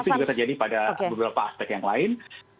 jadi itu juga terjadi pada beberapa aspek yang lain